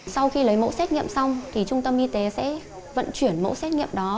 sau khi lấy mẫu xét nghiệm xong thì trung tâm y tế sẽ vận chuyển mẫu xét nghiệm đó